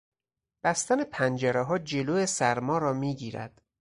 بستن پنجرهها جلو سرما را میگیرد.